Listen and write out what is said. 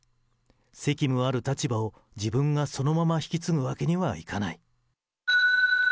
責務ある立場を、自分がそのまま引き継ぐわけにはいかない。